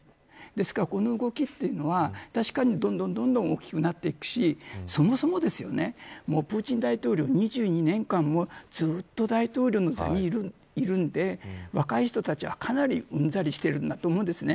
ですから、この動きというのは確かにどんどん大きくなっていくしそもそもプーチン大統領２２年間もずっと大統領の座にいるので若い人たちは、かなりうんざりしているんだと思うんです。